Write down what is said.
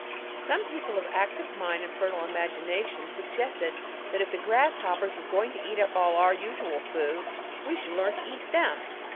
"Some people of active mind and fertile imagination suggested that if the grasshoppers were going to eat up all our usual food, we should learn to eat them!